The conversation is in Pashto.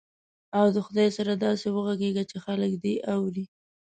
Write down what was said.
او د خدای سره داسې وغږېږه چې خلک دې اوري.